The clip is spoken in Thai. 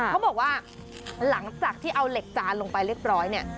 เขาบอกว่าหลังจากที่เอาเหล็กจานลงไปเรียบร้อยเนี่ย